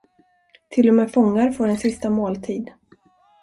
Till och med fångar får en sista måltid.